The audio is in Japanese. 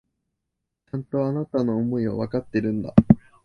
ちゃんと、あなたの思いはわかっているんだ。